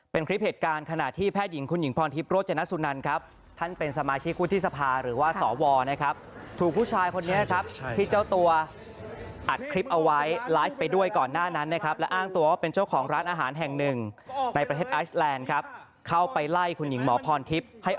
เป็นคลิปเหตุการณ์ขณะที่แพทย์หญิงคุณหญิงพรทิพย์โรจนสุนันครับท่านเป็นสมาชิกวุฒิสภาหรือว่าสวนะครับถูกผู้ชายคนนี้ครับที่เจ้าตัวอัดคลิปเอาไว้ไลฟ์ไปด้วยก่อนหน้านั้นนะครับและอ้างตัวว่าเป็นเจ้าของร้านอาหารแห่งหนึ่งในประเทศไอซแลนด์ครับเข้าไปไล่คุณหญิงหมอพรทิพย์ให้